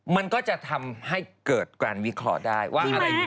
มันก็จะทำให้เกิดการวิเคราะห์ได้